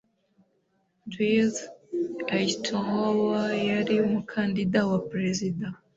Dwight Eisenhower yari umukandida wa perezida.